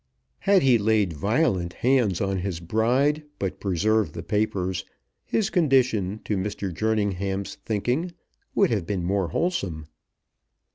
Had he laid violent hands on his bride, but preserved the papers, his condition, to Mr. Jerningham's thinking, would have been more wholesome.